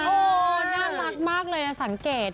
น่ารักมากเลยนะสังเกต